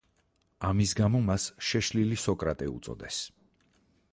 ამის გამო მას „შეშლილი სოკრატე“ უწოდეს.